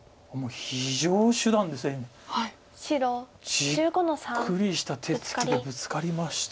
じっくりした手つきでブツカりました。